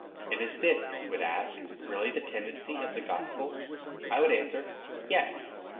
"And is this," he would ask, "really the tendency of the gospel?" I would answer, Yes.